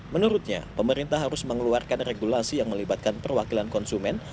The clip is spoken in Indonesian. menurutnya pemerintah harus mengeluarkan regulasi yang melibatkan perwakilan konsumen